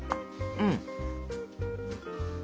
うん。